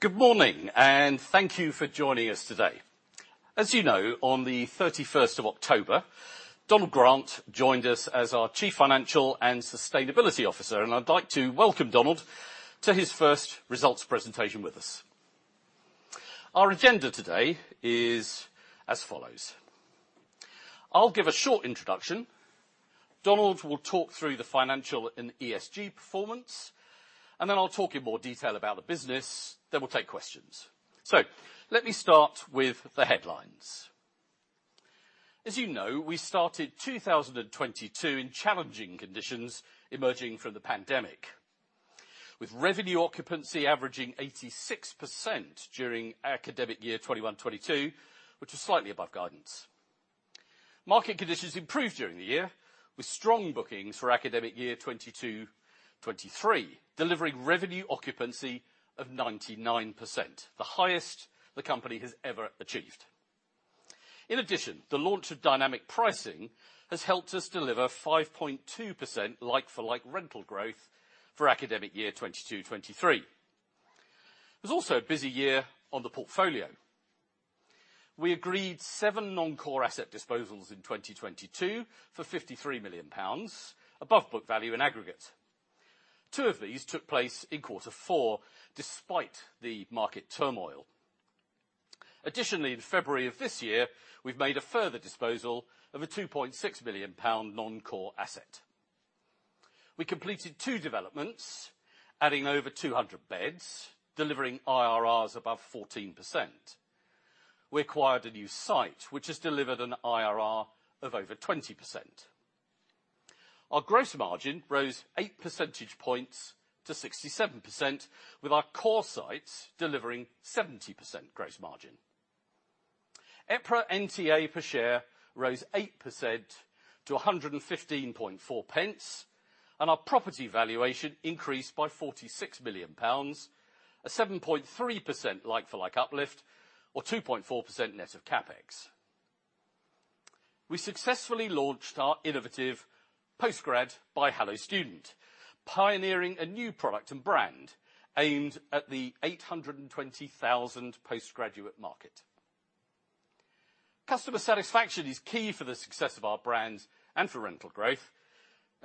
Good morning. Thank you for joining us today. As you know, on the 31st of October, Donald Grant joined us as our Chief Financial and Sustainability Officer. I'd like to welcome Donald to his first results presentation with us. Our agenda today is as follows. I'll give a short introduction. Donald will talk through the financial and ESG performance. I'll talk in more detail about the business. We'll take questions. Let me start with the headlines. As you know, we started 2022 in challenging conditions, emerging from the pandemic, with revenue occupancy averaging 86% during academic year 2021/2022, which was slightly above guidance. Market conditions improved during the year, with strong bookings for academic year 2022/2023, delivering revenue occupancy of 99%, the highest the company has ever achieved. In addition, the launch of dynamic pricing has helped us deliver 5.2% like for like rental growth for academic year 2022/2023. It was also a busy year on the portfolio. We agreed seven non-core asset disposals in 2022 for 53 million pounds, above book value in aggregate. Two of these took place in Q4, despite the market turmoil. Additionally, in February of this year, we've made a further disposal of a 2.6 million pound non-core asset. We completed two developments, adding over 200 beds, delivering IRRs above 14%. We acquired a new site, which has delivered an IRR of over 20%. Our gross margin rose 8 percentage points to 67%, with our core sites delivering 70% gross margin. EPRA NTA per share rose 8% to 0.01154. Our property valuation increased by 46 million pounds, a 7.3% like-for-like uplift or 2.4% net of CapEx. We successfully launched our innovative Postgrad by Hello Student, pioneering a new product and brand aimed at the 820,000 postgraduate market. Customer satisfaction is key for the success of our brands and for rental growth.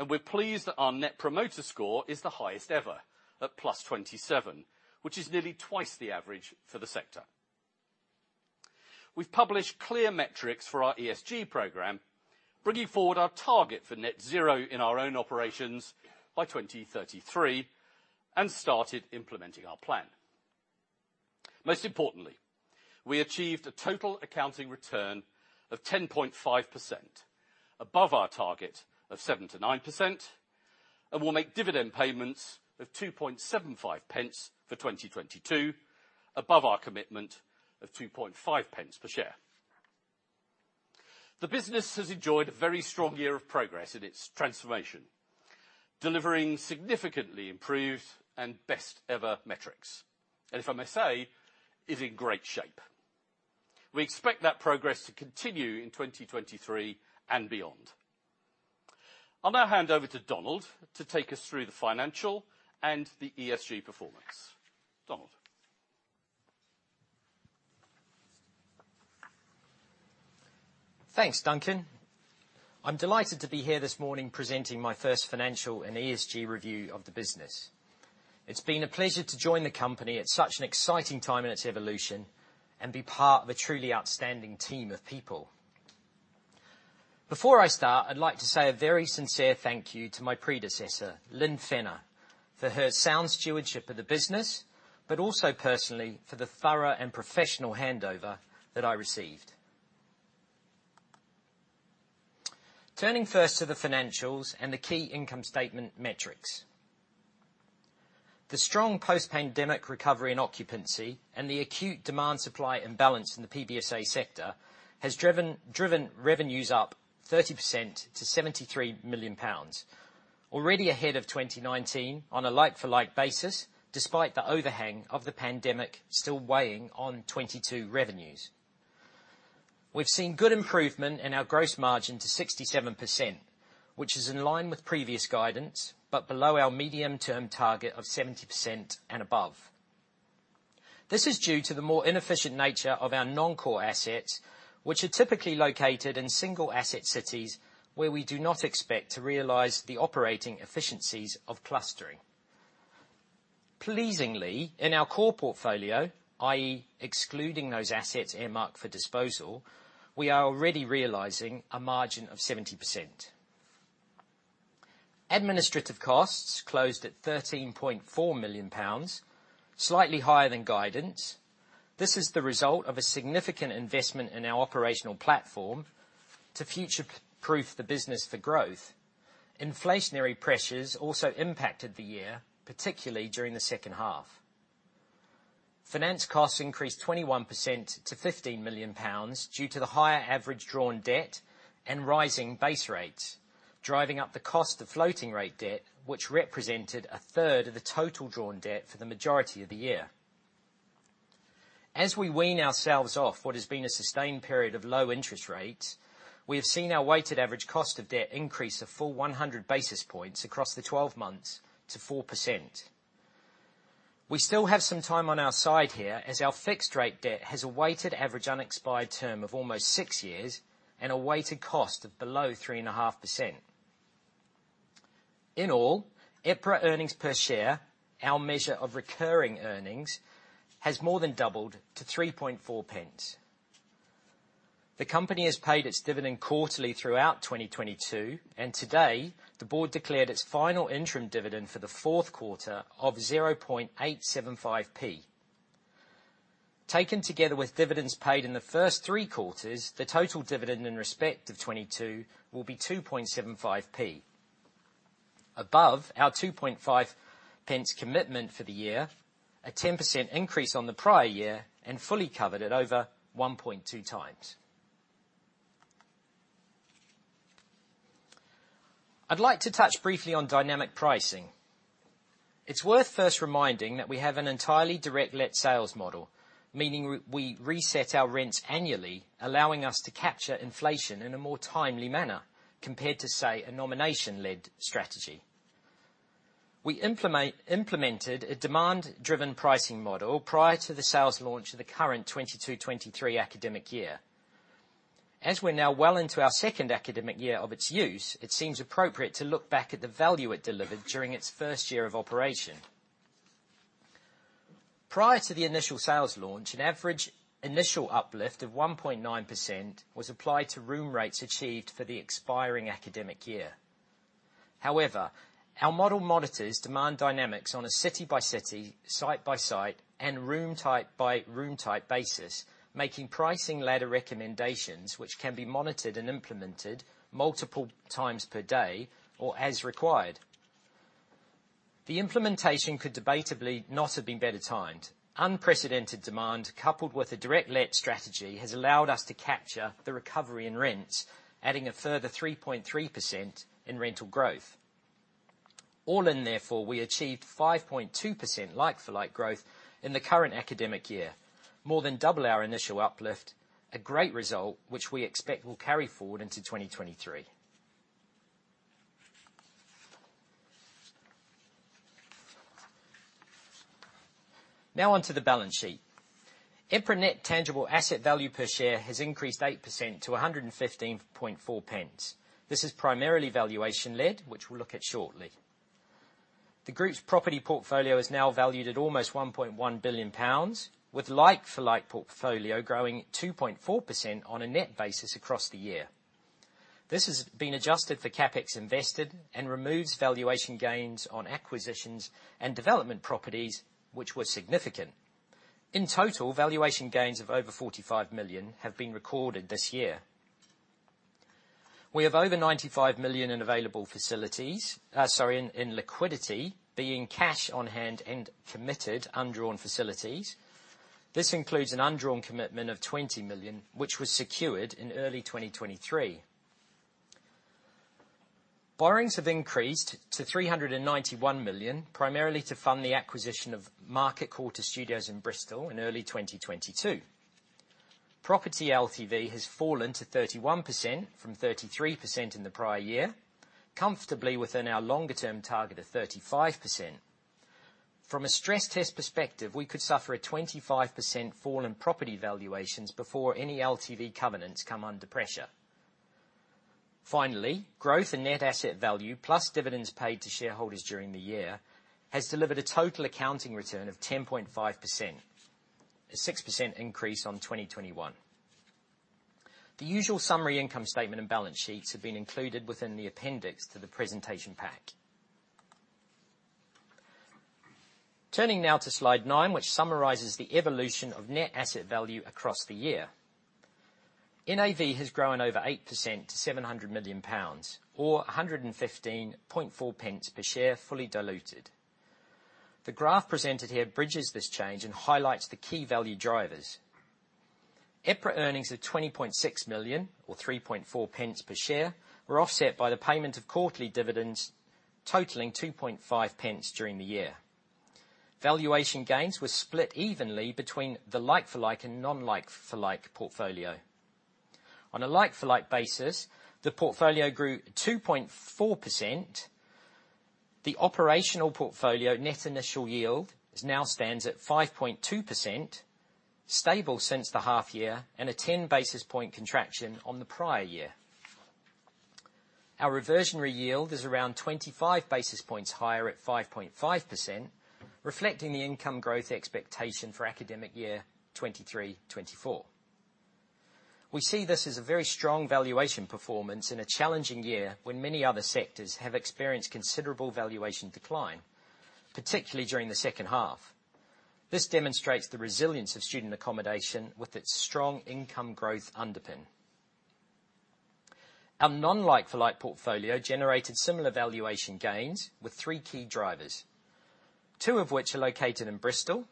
We're pleased that our Net Promoter Score is the highest ever at +27, which is nearly twice the average for the sector. We've published clear metrics for our ESG program, bringing forward our target for net zero in our own operations by 2033. Started implementing our plan. Most importantly, we achieved a total accounting return of 10.5% above our target of 7%-9% and will make dividend payments of 0.0275 for 2022, above our commitment of 0.025 per share. The business has enjoyed a very strong year of progress in its transformation, delivering significantly improved and best ever metrics, if I may say, is in great shape. We expect that progress to continue in 2023 and beyond. I'll now hand over to Donald to take us through the financial and the ESG performance. Donald? Thanks, Duncan. I'm delighted to be here this morning presenting my first financial and ESG review of the business. It's been a pleasure to join the company at such an exciting time in its evolution and be part of a truly outstanding team of people. Before I start, I'd like to say a very sincere thank you to my predecessor, Lynne Fennah, for her sound stewardship of the business. Also personally for the thorough and professional handover that I received. Turning first to the financials and the key income statement metrics. The strong post-pandemic recovery in occupancy and the acute demand supply imbalance in the PBSA sector has driven revenues up 30% to 73 million pounds, already ahead of 2019 on a like for like basis, despite the overhang of the pandemic still weighing on 2022 revenues. We've seen good improvement in our gross margin to 67%, which is in line with previous guidance. Below our medium-term target of 70% and above. This is due to the more inefficient nature of our non-core assets, which are typically located in single asset cities where we do not expect to realize the operating efficiencies of clustering. Pleasingly, in our core portfolio, i.e. excluding those assets earmarked for disposal, we are already realizing a margin of 70%. Administrative costs closed at 13.4 million pounds, slightly higher than guidance. This is the result of a significant investment in our operational platform to future-proof the business for growth. Inflationary pressures also impacted the year, particularly during the second half. Finance costs increased 21% to 15 million pounds due to the higher average drawn debt and rising base rates, driving up the cost of floating rate debt which represented a third of the total drawn debt for the majority of the year. As we wean ourselves off what has been a sustained period of low interest rates, we have seen our weighted average cost of debt increase a full 100 basis points across the 12 months to 4%. We still have some time on our side here, as our fixed rate debt has a weighted average unexpired term of almost six years and a weighted cost of below 3.5%. In all, EPRA earnings per share, our measure of recurring earnings, has more than doubled to 0.034. The company has paid its dividend quarterly throughout 2022. Today the board declared its final interim dividend for the fourth quarter of 0.00875. Taken together with dividends paid in the first three quarters, the total dividend in respect of 22 will be 0.0275. Above our 0.025 commitment for the year, a 10% increase on the prior year, and fully covered at over 1.2 times. I'd like to touch briefly on dynamic pricing. It's worth first reminding that we have an entirely direct let sales model, meaning we reset our rents annually, allowing us to capture inflation in a more timely manner compared to, say, a nomination-led strategy. We implemented a demand-driven pricing model prior to the sales launch of the current 2022, 2023 academic year. As we're now well into our second academic year of its use, it seems appropriate to look back at the value it delivered during its first year of operation. Prior to the initial sales launch, an average initial uplift of 1.9% was applied to room rates achieved for the expiring academic year. However, our model monitors demand dynamics on a city-by-city, site-by-site, and room type by room type basis, making pricing ladder recommendations which can be monitored and implemented multiple times per day or as required. The implementation could debatably not have been better timed. Unprecedented demand, coupled with a direct let strategy, has allowed us to capture the recovery in rents, adding a further 3.3% in rental growth. All in therefore, we achieved 5.2% like-for-like growth in the current academic year, more than double our initial uplift. A great result, which we expect will carry forward into 2023. On to the balance sheet. EPRA net tangible asset value per share has increased 8% to 0.01154. This is primarily valuation-led, which we'll look at shortly. The group's property portfolio is now valued at almost 1.1 billion pounds, with like-for-like portfolio growing at 2.4% on a net basis across the year. This has been adjusted for CapEx invested and removes valuation gains on acquisitions and development properties, which were significant. In total, valuation gains of over 45 million have been recorded this year. We have over 95 million in available facilities. Sorry, in liquidity, being cash on hand and committed undrawn facilities. This includes an undrawn commitment of 20 million, which was secured in early 2023. Borrowings have increased to 391 million, primarily to fund the acquisition of Market Quarter Studios in Bristol in early 2022. Property LTV has fallen to 31% from 33% in the prior year, comfortably within our longer term target of 35%. From a stress test perspective, we could suffer a 25% fall in property valuations before any LTV covenants come under pressure. Finally, growth in net asset value, plus dividends paid to shareholders during the year, has delivered a total accounting return of 10.5%. A 6% increase on 2021. The usual summary income statement and balance sheets have been included within the appendix to the presentation pack. Turning now to slide nine, which summarizes the evolution of net asset value across the year. NAV has grown over 8% to 700 million pounds or 0.01154 per share, fully diluted. The graph presented here bridges this change and highlights the key value drivers. EPRA earnings of 20.6 million or 0.034 per share were offset by the payment of quarterly dividends totaling 0.025 during the year. Valuation gains were split evenly between the like-for-like and non-like-for-like portfolio. On a like-for-like basis, the portfolio grew 2.4%. The operational portfolio net initial yield is now stands at 5.2%, stable since the half year and a 10-basis-point contraction on the prior year. Our reversionary yield is around 25 basis points higher at 5.5%, reflecting the income growth expectation for academic year 2023, 2024. We see this as a very strong valuation performance in a challenging year when many other sectors have experienced considerable valuation decline, particularly during the second half. This demonstrates the resilience of student accommodation with its strong income growth underpin. Our non-like for like portfolio generated similar valuation gains with three key drivers, two of which are located in Bristol.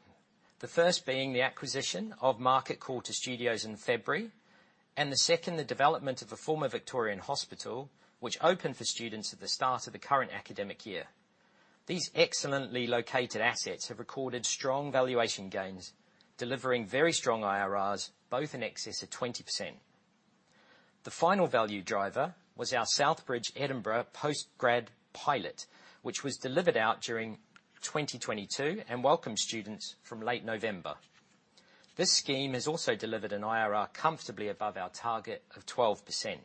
The first being the acquisition of Market Quarter Studios in February, and the second the development of the former Victorian hospital, which opened for students at the start of the current academic year. These excellently located assets have recorded strong valuation gains, delivering very strong IRRs, both in excess of 20%. The final value driver was our South Bridge Edinburgh Postgrad pilot, which was delivered out during 2022 and welcomed students from late November. This scheme has also delivered an IRR comfortably above our target of 12%.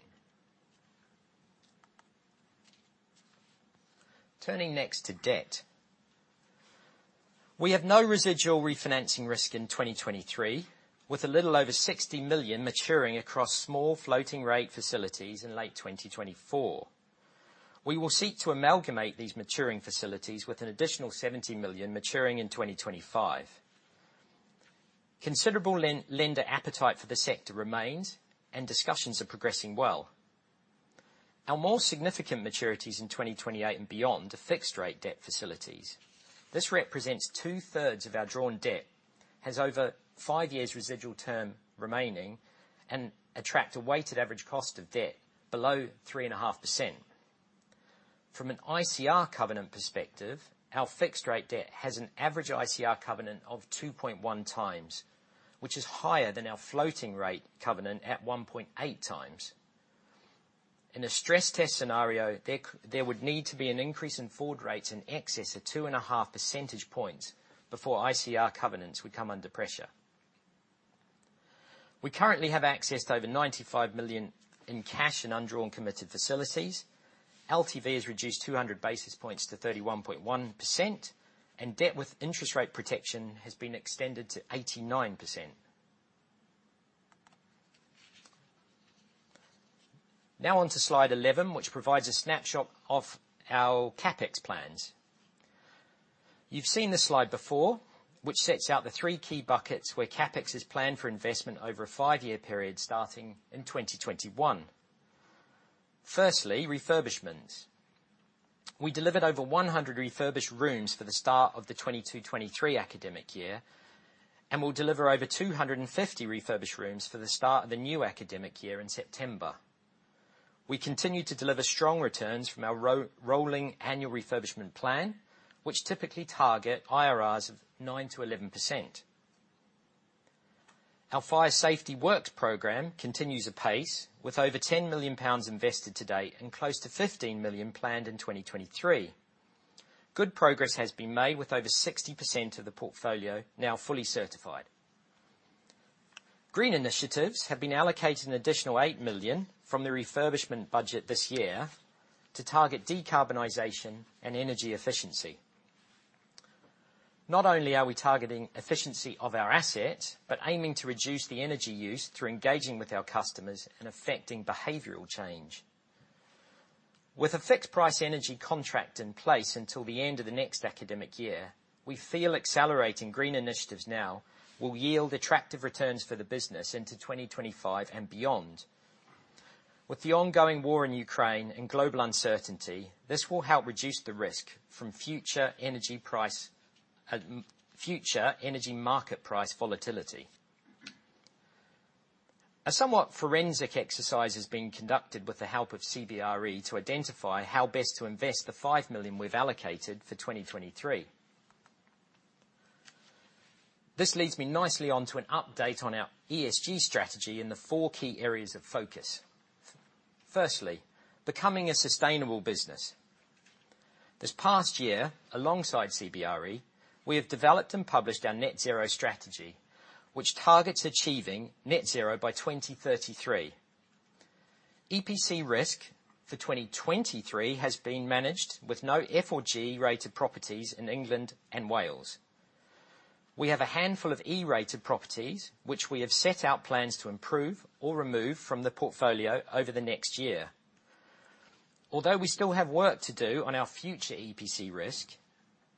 Turning next to debt. We have no residual refinancing risk in 2023, with a little over 60 million maturing across small floating rate facilities in late 2024. We will seek to amalgamate these maturing facilities with an additional 70 million maturing in 2025. Considerable lender appetite for the sector remains. Discussions are progressing well. Our more significant maturities in 2028 and beyond are fixed rate debt facilities. This represents 2/3 of our drawn debt, has over five years residual term remaining, and attract a weighted average cost of debt below 3.5%. From an ICR covenant perspective, our fixed rate debt has an average ICR covenant of 2.1 times, which is higher than our floating rate covenant at 1.8 times. In a stress test scenario, there would need to be an increase in forward rates in excess of 2.5 percentage points before ICR covenants would come under pressure. We currently have access to over 95 million in cash and undrawn committed facilities. LTV has reduced 200 basis points to 31.1%, and debt with interest rate protection has been extended to 89%. On to slide 11, which provides a snapshot of our CapEx plans. You've seen this slide before, which sets out the three key buckets where CapEx is planned for investment over a five-year period starting in 2021. Firstly, refurbishments. We delivered over 100 refurbished rooms for the start of the 2022-2023 academic year, and we'll deliver over 250 refurbished rooms for the start of the new academic year in September. We continue to deliver strong returns from our rolling annual refurbishment plan, which typically target IRRs of 9%-11%. Our fire safety works program continues apace with over 10 million pounds invested to date and close to 15 million planned in 2023. Good progress has been made with over 60% of the portfolio now fully certified. Green initiatives have been allocated an additional 8 million from the refurbishment budget this year to target decarbonization and energy efficiency. Not only are we targeting efficiency of our assets, but aiming to reduce the energy use through engaging with our customers and affecting behavioral change. With a fixed price energy contract in place until the end of the next academic year, we feel accelerating green initiatives now will yield attractive returns for the business into 2025 and beyond. With the ongoing war in Ukraine and global uncertainty, this will help reduce the risk from future energy price, future energy market price volatility. A somewhat forensic exercise is being conducted with the help of CBRE to identify how best to invest the 5 million we've allocated for 2023. This leads me nicely onto an update on our ESG strategy and the four key areas of focus. Firstly, becoming a sustainable business. This past year, alongside CBRE, we have developed and published our net zero strategy, which targets achieving net zero by 2033. EPC risk for 2023 has been managed with no F or G rated properties in England and Wales. We have a handful of E-rated properties which we have set out plans to improve or remove from the portfolio over the next year. Although we still have work to do on our future EPC risk,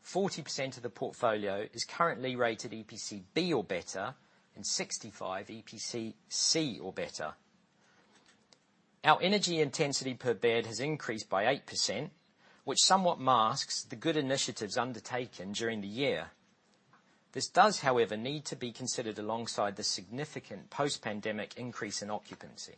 40% of the portfolio is currently rated EPC B or better and 65 EPC C or better. Our energy intensity per bed has increased by 8%, which somewhat masks the good initiatives undertaken during the year. This does, however, need to be considered alongside the significant post-pandemic increase in occupancy.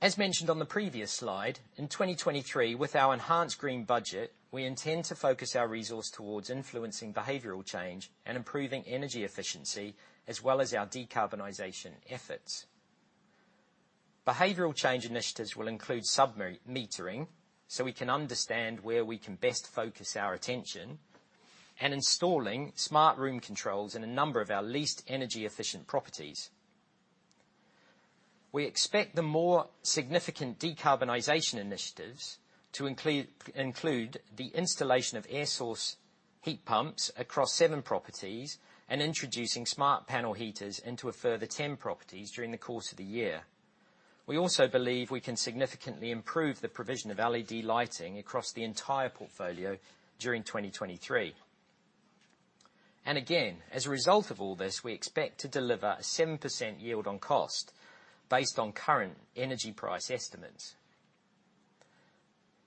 As mentioned on the previous slide, in 2023, with our enhanced green budget, we intend to focus our resource towards influencing behavioral change and improving energy efficiency, as well as our decarbonization efforts. Behavioral change initiatives will include sub-metering, so we can understand where we can best focus our attention, and installing smart room controls in a number of our least energy efficient properties. We expect the more significant decarbonization initiatives to include the installation of air source heat pumps across seven properties and introducing smart panel heaters into a further 10 properties during the course of the year. We also believe we can significantly improve the provision of LED lighting across the entire portfolio during 2023. Again, as a result of all this, we expect to deliver a 7% yield on cost based on current energy price estimates.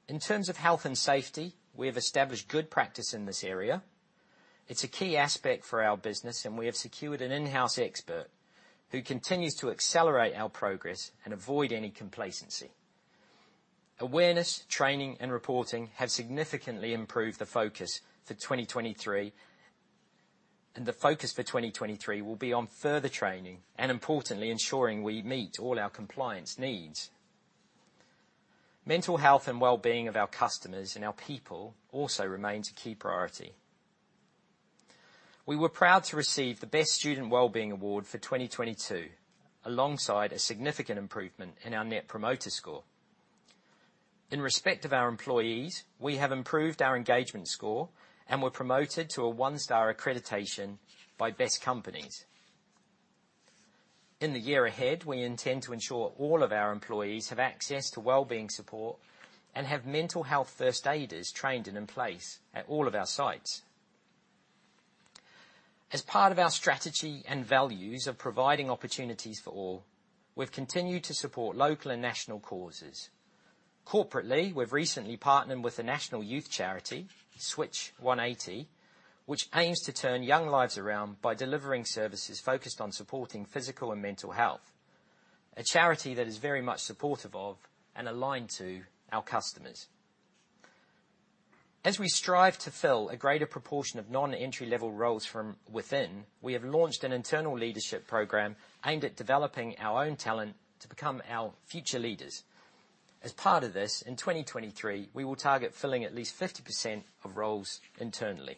In terms of health and safety, we have established good practice in this area. It's a key aspect for our business, and we have secured an in-house expert who continues to accelerate our progress and avoid any complacency. Awareness, training, and reporting have significantly improved the focus for 2023. The focus for 2023 will be on further training, and importantly, ensuring we meet all our compliance needs. Mental health and wellbeing of our customers and our people also remains a key priority. We were proud to receive the Best Student Wellbeing Award for 2022, alongside a significant improvement in our Net Promoter Score. In respect of our employees, we have improved our engagement score and were promoted to a one-star accreditation by Best Companies. In the year ahead, we intend to ensure all of our employees have access to wellbeing support and have mental health first aiders trained and in place at all of our sites. As part of our strategy and values of providing opportunities for all, we've continued to support local and national causes. Corporately, we've recently partnered with the National Youth Charity, Switch180, which aims to turn young lives around by delivering services focused on supporting physical and mental health, a charity that is very much supportive of and aligned to our customers. As we strive to fill a greater proportion of non-entry-level roles from within, we have launched an internal leadership program aimed at developing our own talent to become our future leaders. As part of this, in 2023, we will target filling at least 50% of roles internally.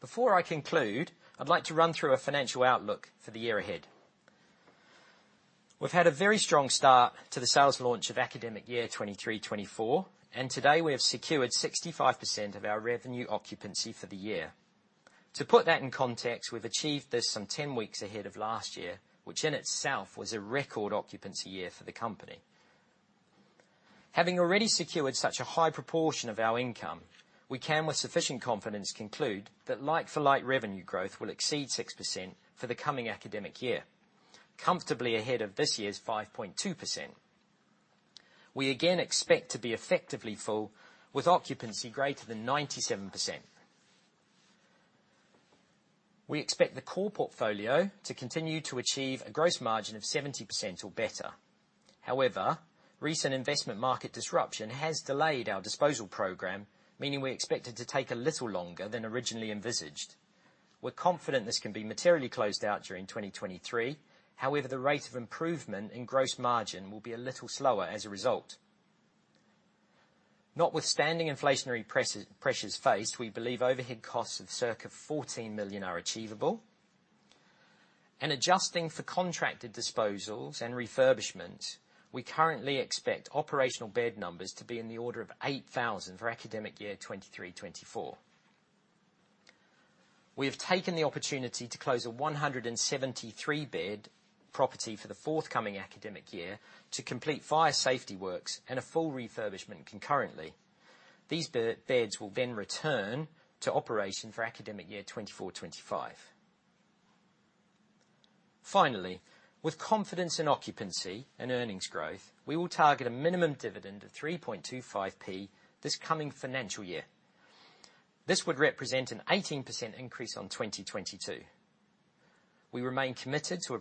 Before I conclude, I'd like to run through a financial outlook for the year ahead. We've had a very strong start to the sales launch of academic year 2023/2024. Today we have secured 65% of our revenue occupancy for the year. To put that in context, we've achieved this some 10 weeks ahead of last year, which in itself was a record occupancy year for the company. Having already secured such a high proportion of our income, we can, with sufficient confidence, conclude that like-for-like revenue growth will exceed 6% for the coming academic year, comfortably ahead of this year's 5.2%. We again expect to be effectively full, with occupancy greater than 97%. We expect the core portfolio to continue to achieve a gross margin of 70% or better. However, recent investment market disruption has delayed our disposal program, meaning we expect it to take a little longer than originally envisaged. We're confident this can be materially closed out during 2023. However, the rate of improvement in gross margin will be a little slower as a result. Notwithstanding inflationary pressures faced, we believe overhead costs of circa 14 million are achievable. Adjusting for contracted disposals and refurbishment, we currently expect operational bed numbers to be in the order of 8,000 for academic year 2023/2024. We have taken the opportunity to close a 173-bed property for the forthcoming academic year to complete fire safety works and a full refurbishment concurrently. These beds will then return to operation for academic year 2024/2025. With confidence in occupancy and earnings growth, we will target a minimum dividend of 0.0325 this coming financial year. This would represent an 18% increase on 2022. We remain committed to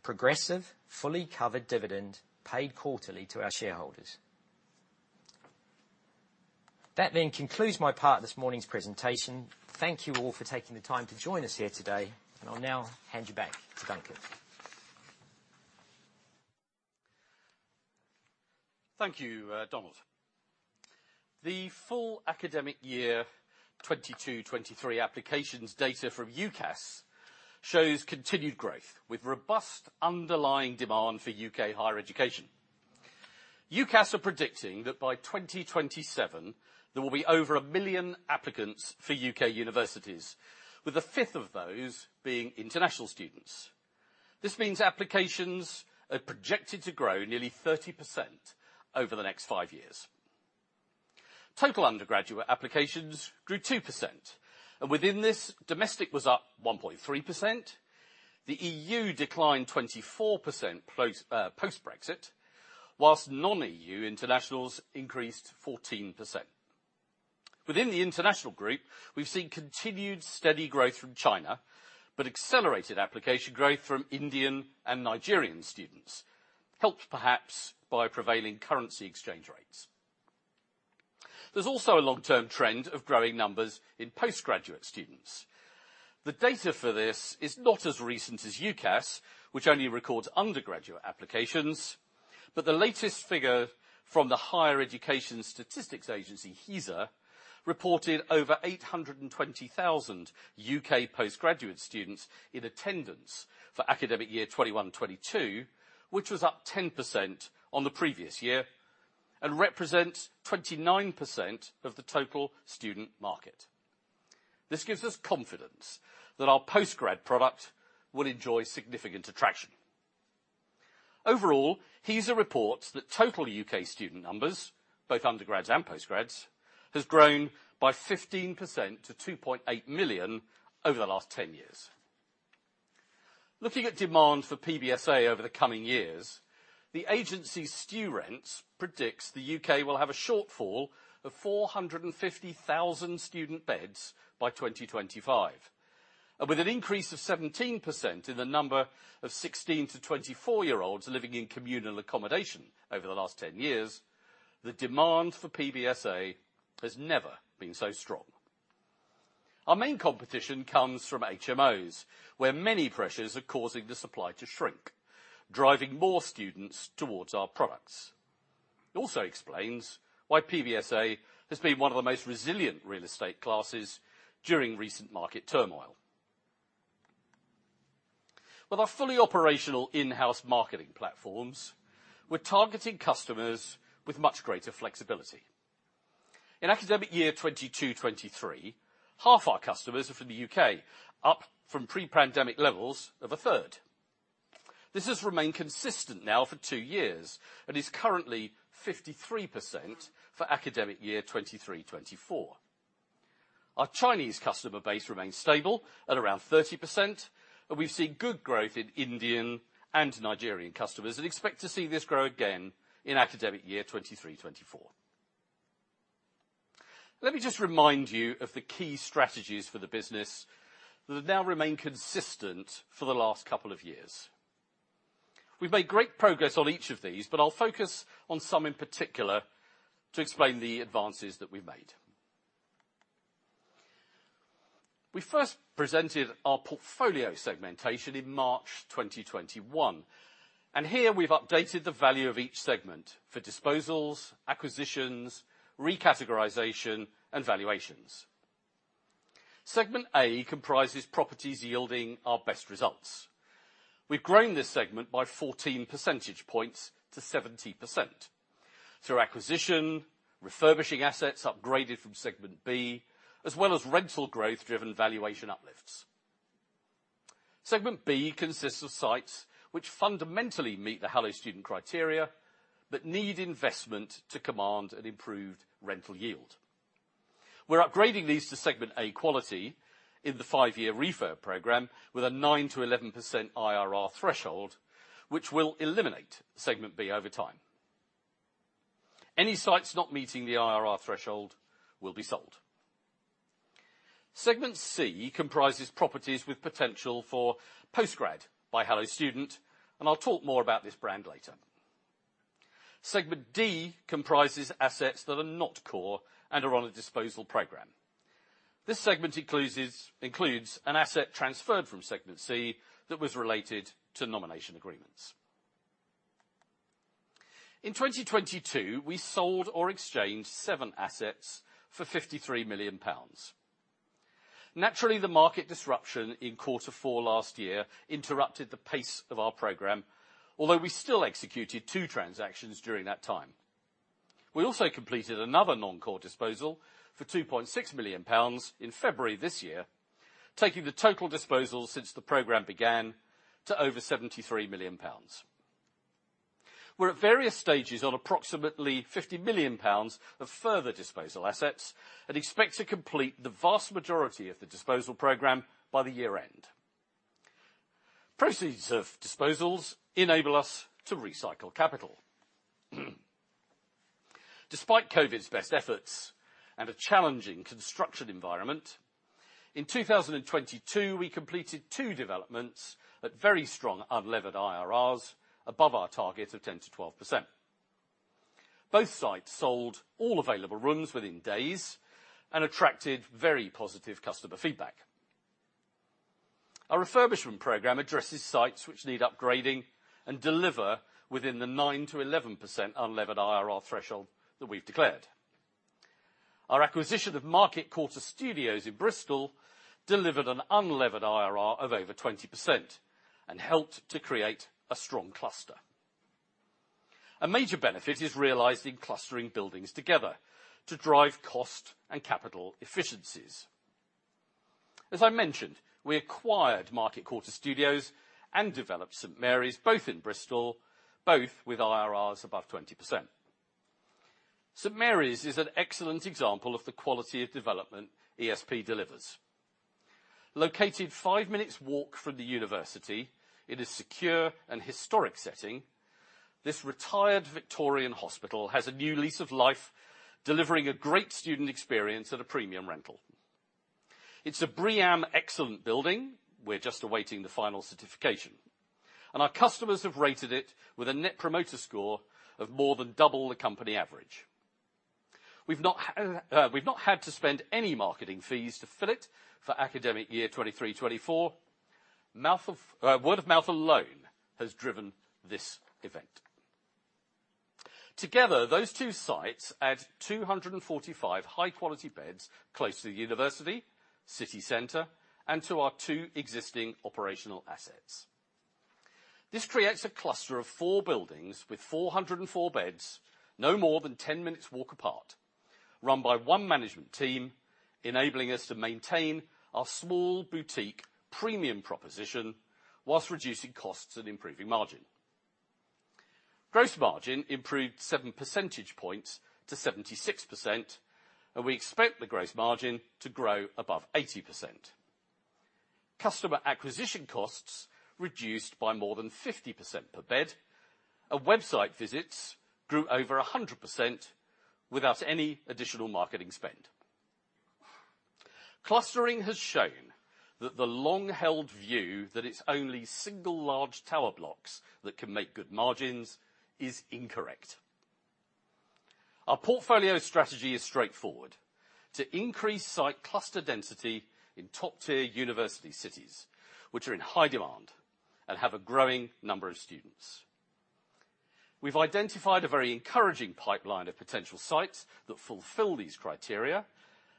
a progressive, fully covered dividend paid quarterly to our shareholders. Concludes my part of this morning's presentation. Thank you all for taking the time to join us here today, and I'll now hand you back to Duncan. Thank you, Donald. The full academic year 2022/2023 applications data from UCAS shows continued growth with robust underlying demand for U.K. Higher education. UCAS are predicting that by 2027, there will be over 1 million applicants for U.K. universities, with 1/5 of those being international students. This means applications are projected to grow nearly 30% over the next five years. Total undergraduate applications grew 2%. Within this, domestic was up 1.3%. The EU declined 24% close, post-Brexit, whilst non-EU internationals increased 14%. Within the international group, we've seen continued steady growth from China, but accelerated application growth from Indian and Nigerian students, helped perhaps by prevailing currency exchange rates. There's also a long-term trend of growing numbers in post-graduate students. The data for this is not as recent as UCAS, which only records undergraduate applications. The latest figure from the Higher Education Statistics Agency, HESA, reported over 820,000 U.K. post-graduate students in attendance for academic year 2021/2022, which was up 10% on the previous year and represents 29% of the total student market. This gives us confidence that our post-grad product will enjoy significant attraction. Overall, HESA reports that total U.K. student numbers, both undergrads and post-grads, has grown by 15% to 2.8 million over the last 10 years. Looking at demand for PBSA over the coming years, the agency StuRents predicts the U.K. will have a shortfall of 450,000 student beds by 2025. With an increase of 17% in the number of 16-24-year-olds living in communal accommodation over the last 10 years, the demand for PBSA has never been so strong. Our main competition comes from HMOs, where many pressures are causing the supply to shrink, driving more students towards our products. It also explains why PBSA has been one of the most resilient real estate classes during recent market turmoil. With our fully operational in-house marketing platforms, we're targeting customers with much greater flexibility. In academic year 2022-2023, half our customers are from the U.K., up from pre-pandemic levels of a third. This has remained consistent now for two years and is currently 53% for academic year 2023-2024. Our Chinese customer base remains stable at around 30%. We've seen good growth in Indian and Nigerian customers and expect to see this grow again in academic year 2023, 2024. Let me just remind you of the key strategies for the business that have now remained consistent for the last couple of years. We've made great progress on each of these. I'll focus on some in particular to explain the advances that we made. We first presented our portfolio segmentation in March 2021. Here we've updated the value of each segment for disposals, acquisitions, recategorization, and valuations. Segment A comprises properties yielding our best results. We've grown this segment by 14 percentage points to 70% through acquisition, refurbishing assets upgraded from segment B, as well as rental growth-driven valuation uplifts. Segment B consists of sites which fundamentally meet the Hello Student criteria, but need investment to command an improved rental yield. We're upgrading these to segment A quality in the five-year refurb program with a 9%-11% IRR threshold, which will eliminate segment B over time. Any sites not meeting the IRR threshold will be sold. Segment C comprises properties with potential for Postgrad by Hello Student. I'll talk more about this brand later. Segment D comprises assets that are not core and are on a disposal program. This segment includes an asset transferred from segment C that was related to nomination agreements. In 2022, we sold or exchanged seven assets for 53 million pounds. Naturally, the market disruption in quarter four last year interrupted the pace of our program, although we still executed two transactions during that time. We also completed another non-core disposal for 2.6 million pounds in February this year, taking the total disposal since the program began to over 73 million pounds. We're at various stages on approximately 50 million pounds of further disposal assets and expect to complete the vast majority of the disposal program by the year-end. Proceeds of disposals enable us to recycle capital. Despite COVID's best efforts and a challenging construction environment, in 2022, we completed two developments at very strong unlevered IRRs above our target of 10%-12%. Both sites sold all available rooms within days and attracted very positive customer feedback. Our refurbishment program addresses sites which need upgrading and deliver within the 9%-11% unlevered IRR threshold that we've declared. Our acquisition of Market Quarter Studios in Bristol delivered an unlevered IRR of over 20% and helped to create a strong cluster. A major benefit is realized in clustering buildings together to drive cost and capital efficiencies. As I mentioned, we acquired Market Quarter Studios and developed St Mary's, both in Bristol, both with IRRs above 20%. St Mary's is an excellent example of the quality of development ESP delivers. Located five minutes walk from the university in a secure and historic setting, this retired Victorian hospital has a new lease of life, delivering a great student experience at a premium rental. It's a BREEAM excellent building. We're just awaiting the final certification. Our customers have rated it with a Net Promoter Score of more than double the company average. We've not had to spend any marketing fees to fill it for academic year 2023, 2024. Word of mouth alone has driven this event. Together, those two sites add 245 high-quality beds close to the university, city center, and to our two existing operational assets. This creates a cluster of four buildings with 404 beds, no more than 10 minutes walk apart, run by one management team, enabling us to maintain our small boutique premium proposition whilst reducing costs and improving margin. Gross margin improved 7 percentage points to 76%. We expect the gross margin to grow above 80%. Customer acquisition costs reduced by more than 50% per bed. Website visits grew over 100% without any additional marketing spend. Clustering has shown that the long-held view that it's only single large tower blocks that can make good margins is incorrect. Our portfolio strategy is straightforward: to increase site cluster density in top-tier university cities which are in high demand and have a growing number of students. We've identified a very encouraging pipeline of potential sites that fulfill these criteria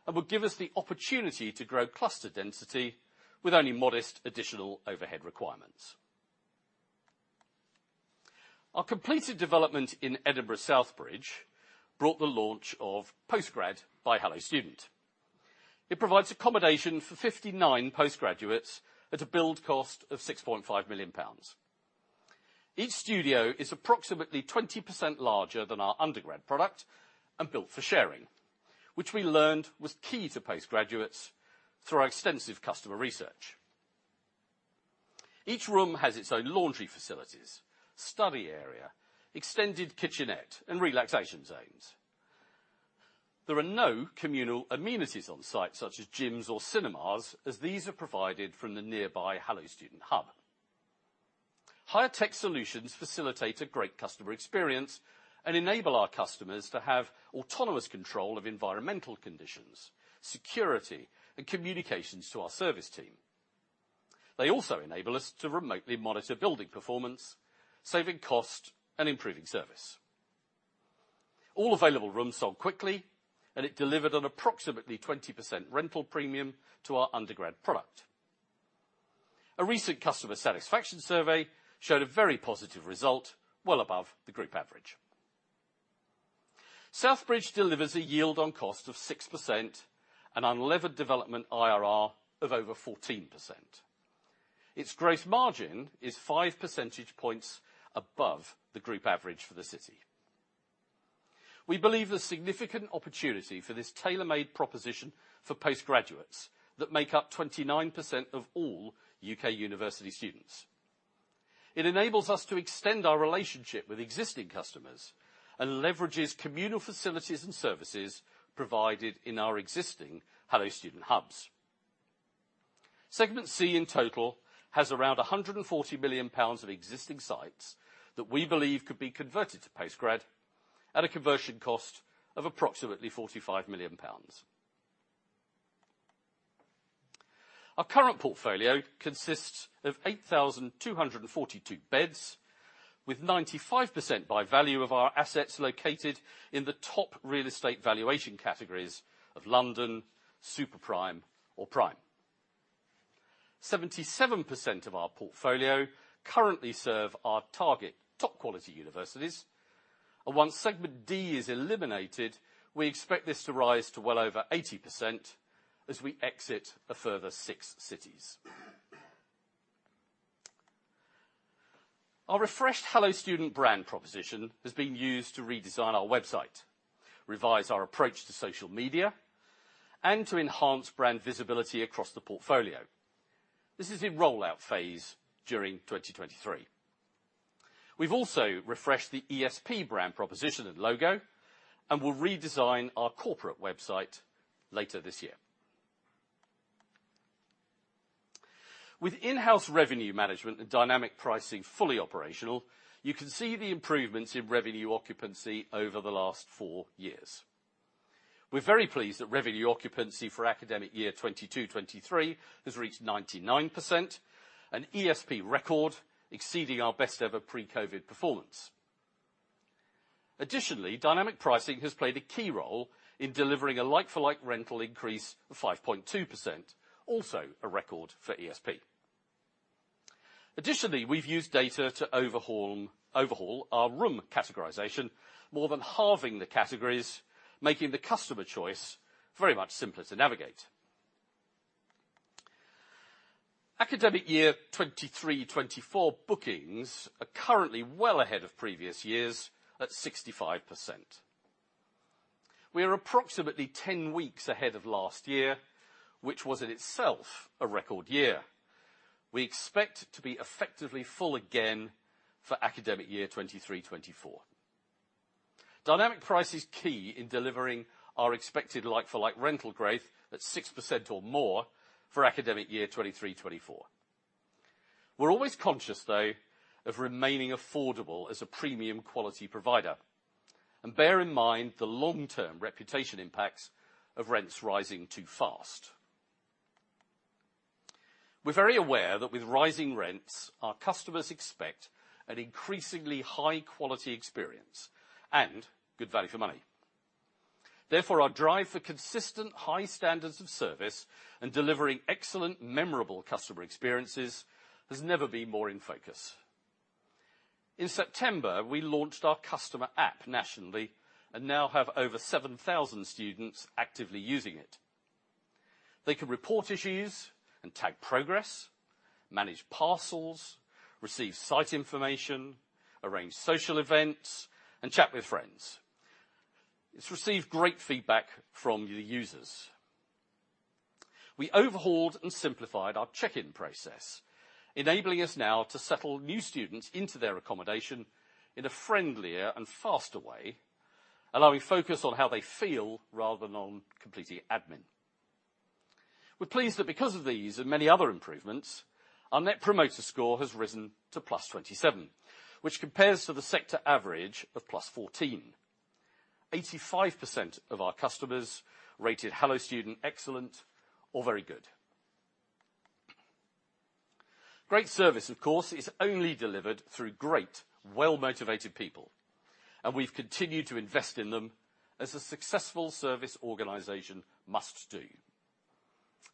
and would give us the opportunity to grow cluster density with only modest additional overhead requirements. Our completed development in Edinburgh South Bridge brought the launch of Postgrad by Hello Student. It provides accommodation for 59 postgraduates at a build cost of 6.5 million pounds. Each studio is approximately 20% larger than our undergrad product and built for sharing, which we learned was key to postgraduates through our extensive customer research. Each room has its own laundry facilities, study area, extended kitchenette, and relaxation zones. There are no communal amenities on site, such as gyms or cinemas, as these are provided from the nearby Hello Student Hub. Higher tech solutions facilitate a great customer experience and enable our customers to have autonomous control of environmental conditions, security, and communications to our service team. They also enable us to remotely monitor building performance, saving cost, and improving service. All available rooms sold quickly, and it delivered an approximately 20% rental premium to our undergrad product. A recent customer satisfaction survey showed a very positive result well above the group average. South Bridge delivers a yield on cost of 6% and unlevered development IRR of over 14%. Its gross margin is 5 percentage points above the group average for the city. We believe the significant opportunity for this tailormade proposition for postgraduates that make up 29% of all U.K. university students. It enables us to extend our relationship with existing customers and leverages communal facilities and services provided in our existing Hello Student hubs. Segment C in total has around 140 million pounds of existing sites that we believe could be converted to Postgrad at a conversion cost of approximately 45 million pounds. Our current portfolio consists of 8,242 beds, with 95% by value of our assets located in the top real estate valuation categories of London, super prime, or prime. 77% of our portfolio currently serve our target top quality universities. Once Segment D is eliminated, we expect this to rise to well over 80% as we exit a further six cities. Our refreshed Hello Student brand proposition has been used to redesign our website, revise our approach to social media, and to enhance brand visibility across the portfolio. This is in rollout phase during 2023. We've also refreshed the ESP brand proposition and logo and will redesign our corporate website later this year. With in-house revenue management and dynamic pricing fully operational, you can see the improvements in revenue occupancy over the last four years. We're very pleased that revenue occupancy for academic year 2022-2023 has reached 99%, an ESP record exceeding our best ever pre-COVID performance. Dynamic pricing has played a key role in delivering a like for like rental increase of 5.2%, also a record for ESP. We've used data to overhaul our room categorization, more than halving the categories, making the customer choice very much simpler to navigate. Academic year 2023, 2024 bookings are currently well ahead of previous years at 65%. We are approximately 10 weeks ahead of last year, which was in itself a record year. We expect to be effectively full again for academic year 2023, 2024. Dynamic price is key in delivering our expected like for like rental growth at 6% or more for academic year 2023, 2024. We're always conscious though of remaining affordable as a premium quality provider. Bear in mind the long-term reputation impacts of rents rising too fast. We're very aware that with rising rents, our customers expect an increasingly high quality experience and good value for money. Our drive for consistent high standards of service and delivering excellent memorable customer experiences has never been more in focus. In September, we launched our customer app nationally and now have over 7,000 students actively using it. They can report issues and tag progress, manage parcels, receive site information, arrange social events, and chat with friends. It's received great feedback from the users. We overhauled and simplified our check-in process, enabling us now to settle new students into their accommodation in a friendlier and faster way, allowing focus on how they feel rather than on completing admin. We're pleased that because of these and many other improvements, our Net Promoter Score has risen to +27, which compares to the sector average of +14. 85% of our customers rated Hello Student excellent or very good. Great service, of course, is only delivered through great, well-motivated people, and we've continued to invest in them as a successful service organization must do.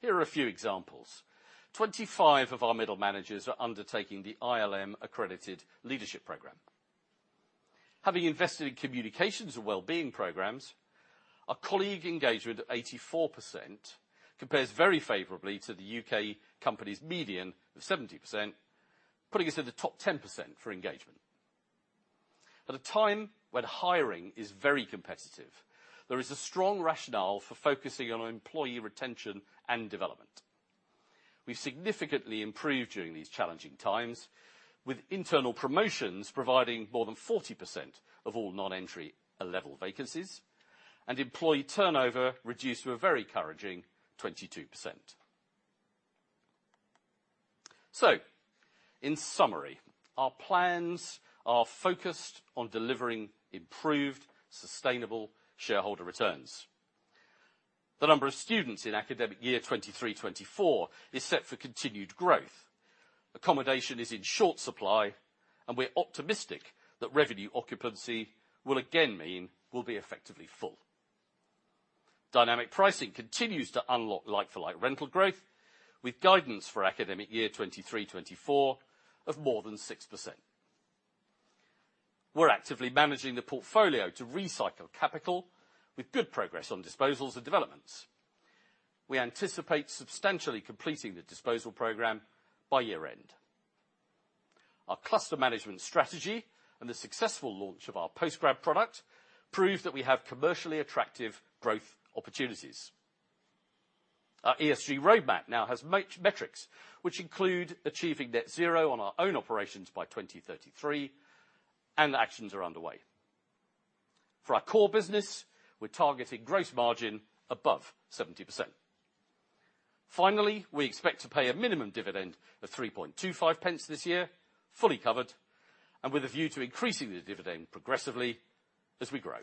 Here are a few examples. 25 of our middle managers are undertaking the ILM accredited leadership program. Having invested in communications and wellbeing programs, our colleague engagement 84% compares very favorably to the U.K. company's median of 70%, putting us in the top 10% for engagement. At a time when hiring is very competitive, there is a strong rationale for focusing on employee retention and development. We significantly improved during these challenging times, with internal promotions providing more than 40% of all non-entry-level vacancies and employee turnover reduced to a very encouraging 22%. In summary, our plans are focused on delivering improved, sustainable shareholder returns. The number of students in academic year 2023/2024 is set for continued growth. Accommodation is in short supply, and we are optimistic that revenue occupancy will again mean we'll be effectively full. Dynamic pricing continues to unlock like-for-like rental growth, with guidance for academic year 2023/2024 of more than 6%. We're actively managing the portfolio to recycle capital with good progress on disposals and developments. We anticipate substantially completing the disposal program by year-end. Our cluster management strategy and the successful launch of our Postgrad product prove that we have commercially attractive growth opportunities. Our ESG roadmap now has metrics which include achieving net zero on our own operations by 2033, and actions are underway. For our core business, we're targeting gross margin above 70%. Finally, we expect to pay a minimum dividend of 0.0325 this year, fully covered, and with a view to increasing the dividend progressively as we grow.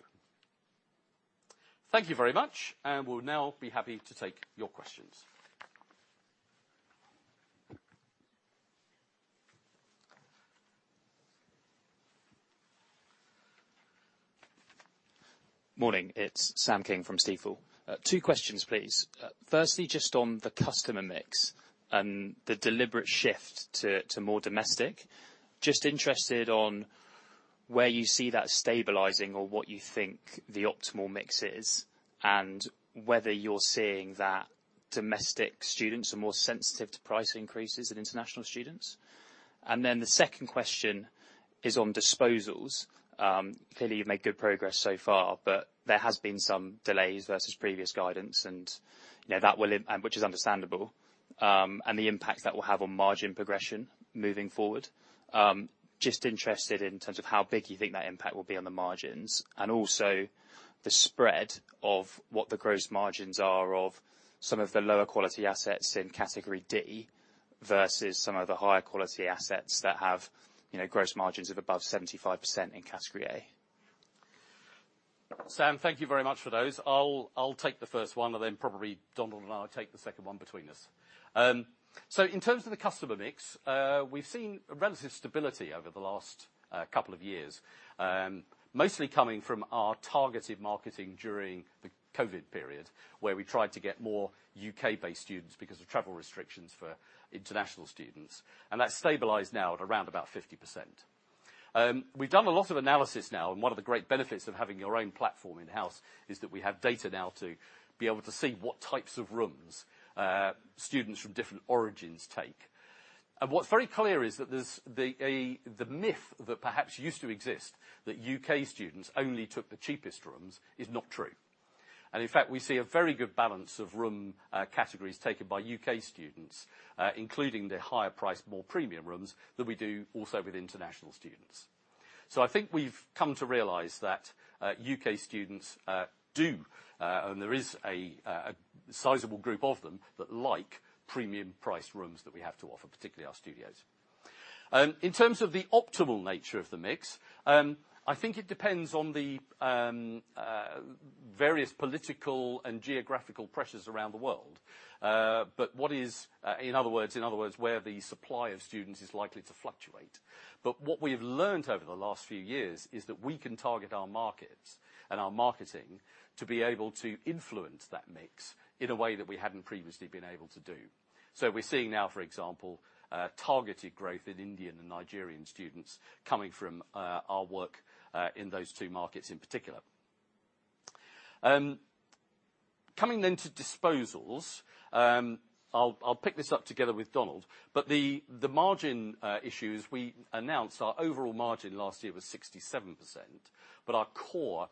Thank you very much, and we'll now be happy to take your questions. Morning, it's Sam King from Stifel. Two questions, please. Firstly, just on the customer mix and the deliberate shift to more domestic. Just interested on where you see that stabilizing or what you think the optimal mix is, and whether you're seeing that domestic students are more sensitive to price increases than international students. The second question is on disposals. Clearly you've made good progress so far, but there has been some delays versus previous guidance and, you know, which is understandable, and the impact that will have on margin progression moving forward. Just interested in terms of how big you think that impact will be on the margins and also the spread of what the gross margins are of some of the lower quality assets in category D versus some of the higher quality assets that have, you know, gross margins of above 75% in category A. Sam, thank you very much for those. I'll take the first one, and then probably Donald and I will take the second one between us. In terms of the customer mix, we've seen relative stability over the last couple of years, mostly coming from our targeted marketing during the COVID period, where we tried to get more U.K.-based students because of travel restrictions for international students, and that's stabilized now at around about 50%. We've done a lot of analysis now, and one of the great benefits of having your own platform in-house is that we have data now to be able to see what types of rooms students from different origins take. What's very clear is that there's the myth that perhaps used to exist that U.K. students only took the cheapest rooms is not true. In fact, we see a very good balance of room categories taken by U.K. students, including the higher priced, more premium rooms, than we do also with international students. I think we've come to realize that U.K. students do and there is a sizable group of them that like premium priced rooms that we have to offer, particularly our studios. In terms of the optimal nature of the mix, I think it depends on the various political and geographical pressures around the world. In other words, in other words, where the supply of students is likely to fluctuate. What we've learnt over the last few years is that we can target our markets and our marketing to be able to influence that mix in a way that we hadn't previously been able to do. We're seeing now, for example, targeted growth in Indian and Nigerian students coming from our work in those two markets in particular. Coming then to disposals, I'll pick this up together with Donald. The margin issues we announced, our overall margin last year was 67%, but our core,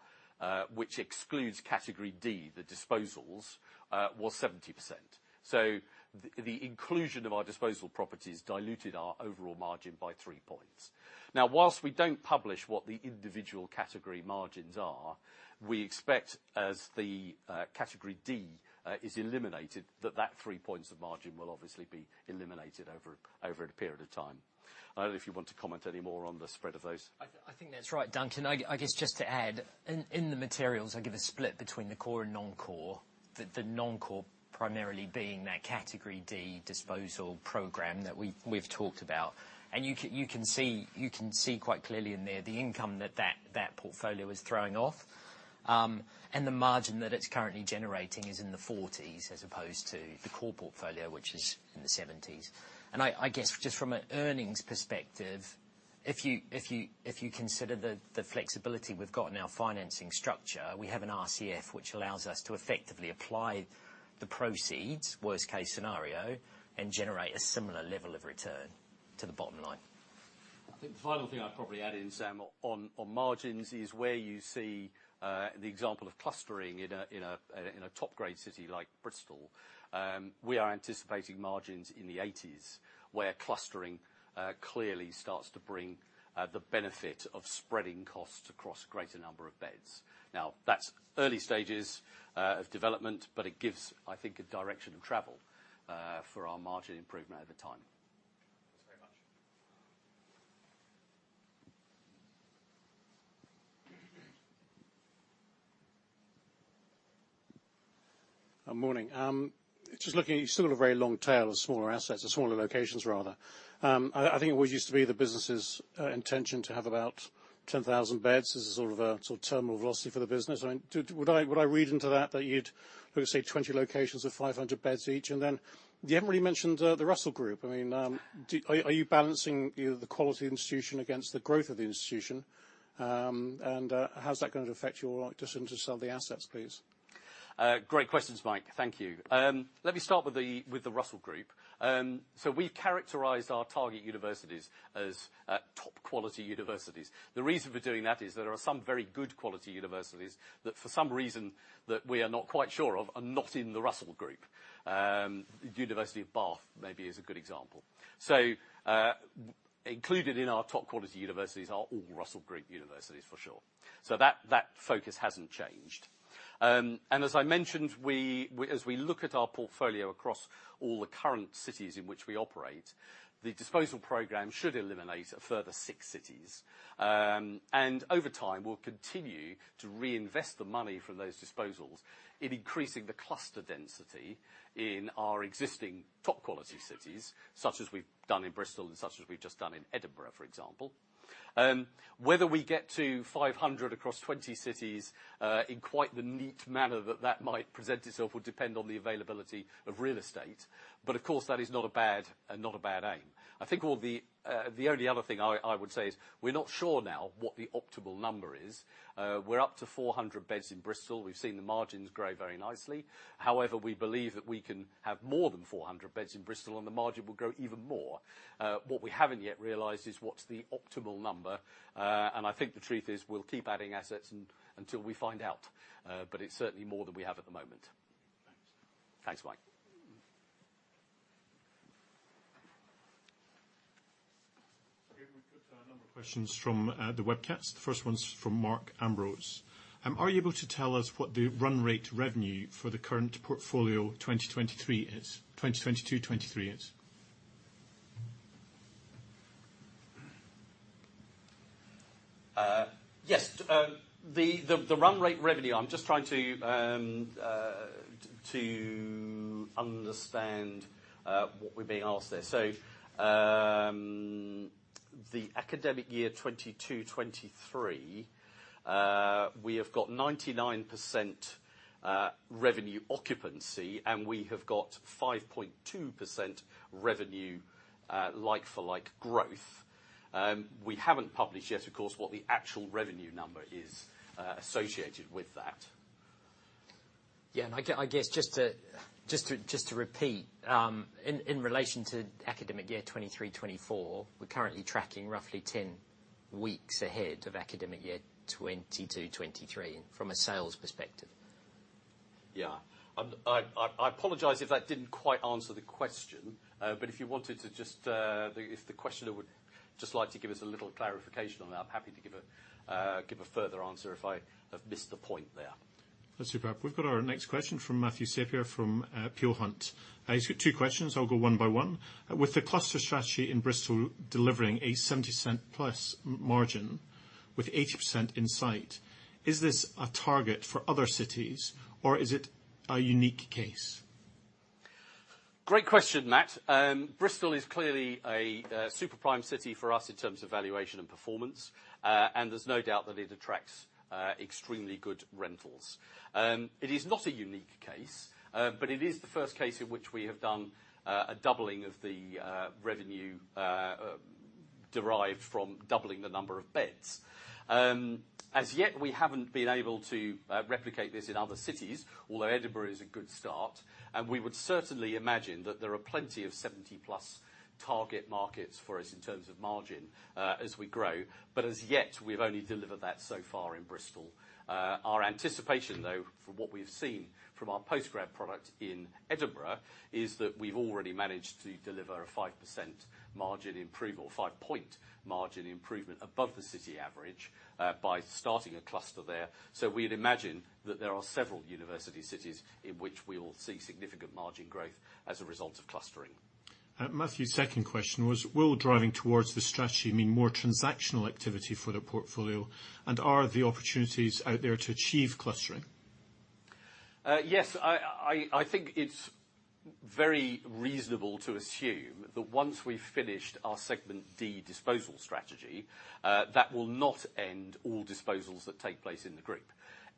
which excludes category D, the disposals, was 70%. The inclusion of our disposal properties diluted our overall margin by 3 points. Whilst we don't publish what the individual category margins are, we expect, as the category D is eliminated, that that 3 points of margin will obviously be eliminated over a period of time. I don't know if you want to comment any more on the spread of those. I think that's right, Duncan. I guess just to add, in the materials, I give a split between the core and non-core. The non-core primarily being that category D disposal program that we've talked about. You can see quite clearly in there the income that portfolio is throwing off. The margin that it's currently generating is in the 40s as opposed to the core portfolio, which is in the 70s. I guess just from an earnings perspective, if you consider the flexibility we've got in our financing structure, we have an RCF which allows us to effectively apply the proceeds, worst case scenario, and generate a similar level of return to the bottom line. I think the final thing I'd probably add in, Sam, on margins is where you see the example of clustering in a, in a, in a top-grade city like Bristol, we are anticipating margins in the eighties, where clustering clearly starts to bring the benefit of spreading costs across a greater number of beds. That's early stages of development, but it gives, I think, a direction of travel for our margin improvement over time. Thanks very much. Good morning. Just looking at you still have a very long tail of smaller assets, or smaller locations rather. I think it used to be the business's intention to have about 10,000 beds as sort of a, sort of terminal velocity for the business. I mean, would I read into that you'd say 20 locations of 500 beds each? You haven't really mentioned the Russell Group. I mean, are you balancing the quality of the institution against the growth of the institution? How's that gonna affect your like decision to sell the assets, please? Great questions, Mike. Thank you. Let me start with the Russell Group. We characterized our target universities as top-quality universities. The reason for doing that is there are some very good quality universities that for some reason that we are not quite sure of, are not in the Russell Group. University of Bath maybe is a good example. Included in our top quality universities are all Russell Group universities for sure. That, that focus hasn't changed. As I mentioned, we, as we look at our portfolio across all the current cities in which we operate, the disposal program should eliminate a further six cities. Over time, we'll continue to reinvest the money from those disposals in increasing the cluster density in our existing top-quality cities, such as we've done in Bristol and such as we've just done in Edinburgh, for example. Whether we get to 500 across 20 cities, in quite the neat manner that that might present itself, will depend on the availability of real estate. Of course, that is not a bad, not a bad aim. I think the only other thing I would say is we're not sure now what the optimal number is. We're up to 400 beds in Bristol. We've seen the margins grow very nicely. However, we believe that we can have more than 400 beds in Bristol, and the margin will grow even more. What we haven't yet realized is what's the optimal number. I think the truth is we'll keep adding assets until we find out. It's certainly more than we have at the moment. Thanks. Thanks, Mike. Okay, we've got a number of questions from the webcast. The first one's from Mark Ambrose. Are you able to tell us what the run rate revenue for the current portfolio 2023 is, 2022/2023 is? Yes. The run rate revenue, I'm just trying to understand what we're being asked there. The academic year 2022/2023, we have got 99% revenue occupancy, and we have got 5.2% revenue like for like growth. We haven't published yet, of course, what the actual revenue number is associated with that. I guess just to repeat, in relation to academic year 2023/2024, we're currently tracking roughly 10 weeks ahead of academic year 2022/2023 from a sales perspective. Yeah. I apologize if that didn't quite answer the question. If you wanted to just, if the questioner would just like to give us a little clarification on that, I'm happy to give a further answer if I have missed the point there. That's super. We've got our next question from Matthew Sapsford from Peel Hunt. He's got two questions. I'll go one-by-one. With the cluster strategy in Bristol delivering a $0.70+ margin with $0.80 in sight, is this a target for other cities or is it a unique case? Great question, Matt. Bristol is clearly a super prime city for us in terms of valuation and performance. There's no doubt that it attracts extremely good rentals. It is not a unique case, but it is the first case in which we have done a doubling of the revenue derived from doubling the number of beds. As yet, we haven't been able to replicate this in other cities, although Edinburgh is a good start, and we would certainly imagine that there are plenty of 70+ target markets for us in terms of margin as we grow. As yet, we've only delivered that so far in Bristol. Our anticipation though from what we've seen from our Postgrad product in Edinburgh is that we've already managed to deliver a 5% margin improvement... or 5-point margin improvement above the city average, by starting a cluster there. We'd imagine that there are several university cities in which we will see significant margin growth as a result of clustering. Matthew's second question was, "Will driving towards the strategy mean more transactional activity for the portfolio, and are the opportunities out there to achieve clustering? Yes. I think it's very reasonable to assume that once we've finished our Segment D disposal strategy, that will not end all disposals that take place in the group.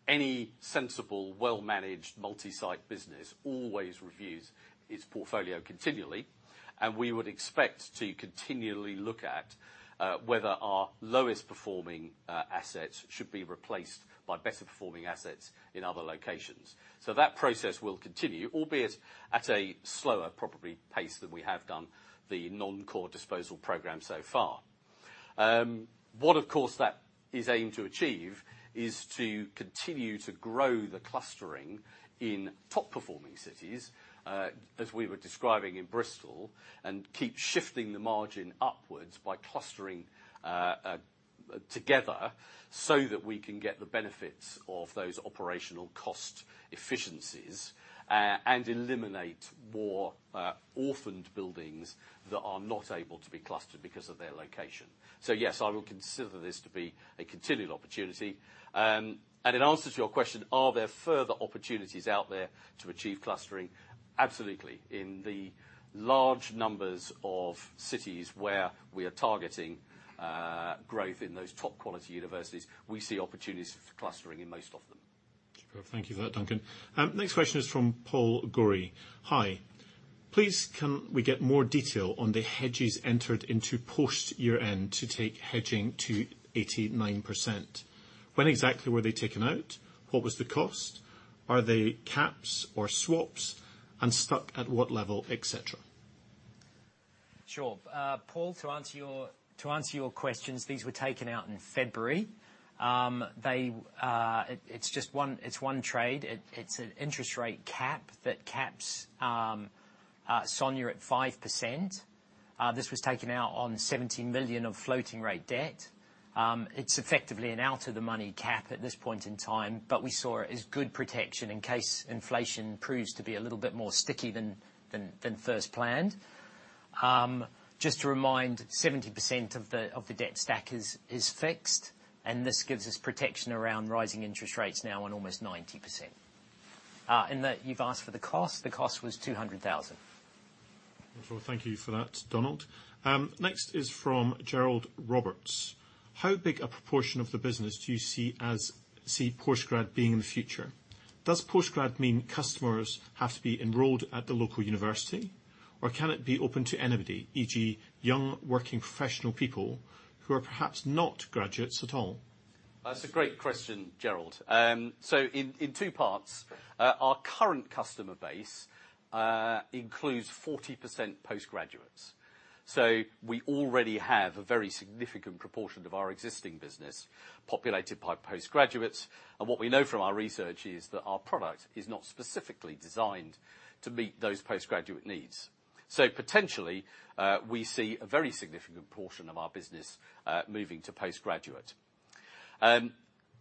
Any sensible, well-managed multi-site business always reviews its portfolio continually. We would expect to continually look at whether our lowest performing assets should be replaced by better performing assets in other locations. That process will continue, albeit at a slower probably pace than we have done the non-core disposal program so far. What of course that is aimed to achieve is to continue to grow the clustering in top performing cities, as we were describing in Bristol, and keep shifting the margin upwards by clustering together so that we can get the benefits of those operational cost efficiencies, and eliminate more orphaned buildings that are not able to be clustered because of their location. Yes, I would consider this to be a continual opportunity. In answer to your question, are there further opportunities out there to achieve clustering? Absolutely. In the large numbers of cities where we are targeting growth in those top quality universities, we see opportunities for clustering in most of them. Thank you for that, Duncan. Next question is from Paul Gorrie. "Hi. Please can we get more detail on the hedges entered into post year-end to take hedging to 89%? When exactly were they taken out? What was the cost? Are they caps or swaps, and stuck at what level, et cetera? Sure. Paul, to answer your questions, these were taken out in February. It's just one, it's one trade. It's an interest rate cap that caps SONIA at 5%. This was taken out on 17 million of floating rate debt. It's effectively an out of the money cap at this point in time, but we saw it as good protection in case inflation proves to be a little bit more sticky than first planned. Just to remind, 70% of the debt stack is fixed, and this gives us protection around rising interest rates now on almost 90%. That you've asked for the cost, the cost was 200,000. Well, thank you for that, Donald. Next is from Gerald Roberts: How big a proportion of the business do you see postgrad being in the future? Does postgrad mean customers have to be enrolled at the local university, or can it be open to anybody, e.g., young working professional people who are perhaps not graduates at all? That's a great question, Gerald. In two parts. Our current customer base includes 40% postgraduates. We already have a very significant proportion of our existing business populated by postgraduates, and what we know from our research is that our product is not specifically designed to meet those postgraduate needs. Potentially, we see a very significant portion of our business moving to postgraduate.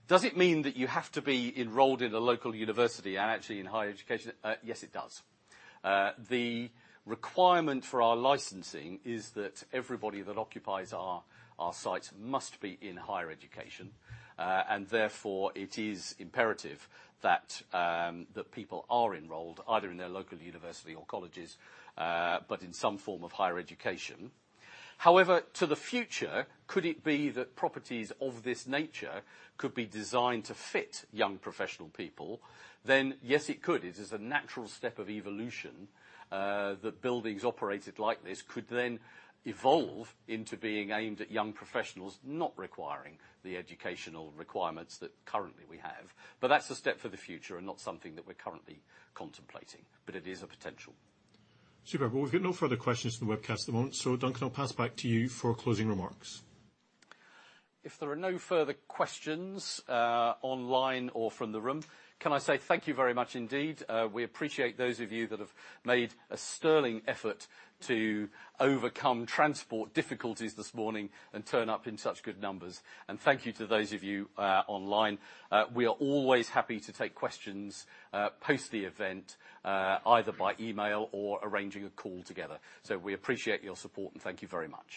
Does it mean that you have to be enrolled in a local university and actually in higher education? Yes, it does. The requirement for our licensing is that everybody that occupies our sites must be in higher education. Therefore, it is imperative that people are enrolled either in their local university or colleges, but in some form of higher education. To the future, could it be that properties of this nature could be designed to fit young professional people? Yes, it could. It is a natural step of evolution, that buildings operated like this could then evolve into being aimed at young professionals, not requiring the educational requirements that currently we have. That's a step for the future and not something that we're currently contemplating, but it is a potential. Super. Well, we've got no further questions from the webcast at the moment. Duncan, I'll pass back to you for closing remarks. If there are no further questions, online or from the room, can I say thank you very much indeed. We appreciate those of you that have made a sterling effort to overcome transport difficulties this morning and turn up in such good numbers. Thank you to those of you, online. We are always happy to take questions, post the event, either by email or arranging a call together. We appreciate your support and thank you very much.